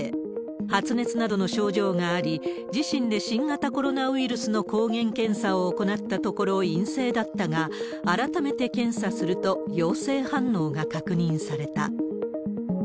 発熱などの症状があり、自身で新型コロナウイルスの抗原検査を行ったところ陰性だったが、改めて検査すると陽性反応が確認された。